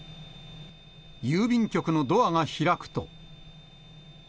郵便局のドアが開くと。